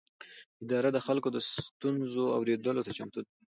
اداره د خلکو د ستونزو اورېدلو ته چمتو ده.